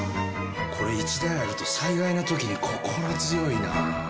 これ１台あると災害の時に心強いな。